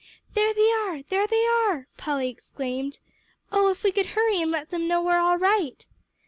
"There they are there they are!" Polly exclaimed. "Oh, if we could hurry and let them know we're all right!"